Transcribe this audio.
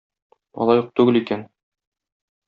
Алай ук түгел икән.